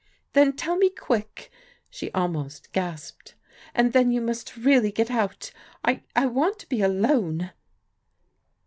"Then tell me quick!" she almost gasped. "And then you must really get out. I — I want to be alone."